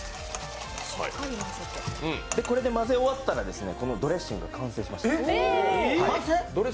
これで混ぜ終わったらドレッシングは完成しました。